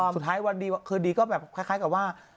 วันดีคืนดีก็แบบคล้ายกับว่า